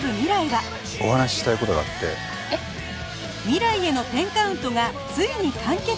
『未来への１０カウント』がついに完結！